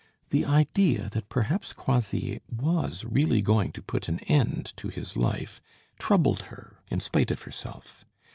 The idea that perhaps Croisilles was really going to put an end to his life troubled her in spite of herself.